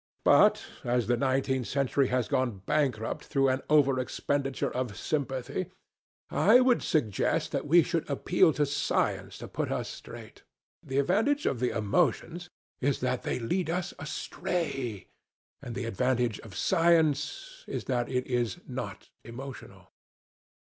But, as the nineteenth century has gone bankrupt through an over expenditure of sympathy, I would suggest that we should appeal to science to put us straight. The advantage of the emotions is that they lead us astray, and the advantage of science is that it is not emotional."